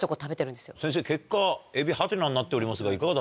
先生結果「エビハテナ」になっておりますがいかが？